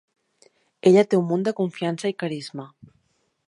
Ella té un munt de confiança i carisma.